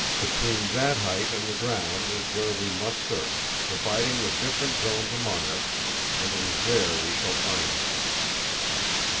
Between that height and the ground is where we must search, dividing the different zones among us, and it is there we shall find him."